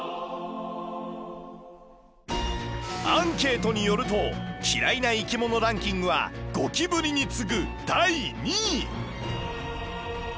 アンケートによると嫌いな生き物ランキングはゴキブリに次ぐ第２位！